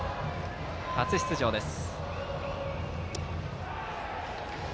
初出場です。